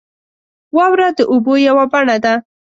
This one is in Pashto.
• واوره د اوبو یوه بڼه ده.